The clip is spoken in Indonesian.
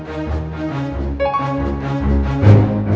aduh aduh aduh aduh aduh